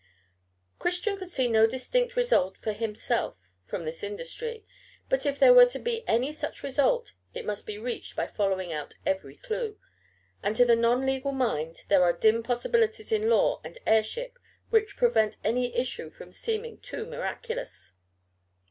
Christian could see no distinct result for himself from his industry; but if there were to be any such result, it must be reached by following out every clue; and to the non legal mind there are dim possibilities in law and heirship which prevent any issue from seeming too miraculous.